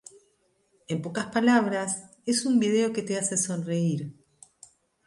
En pocas palabras, es un video que te hace sonreír.